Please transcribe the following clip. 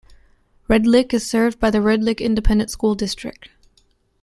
Red Lick is served by the Red Lick Independent School District.